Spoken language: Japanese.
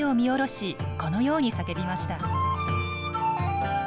このように叫びました。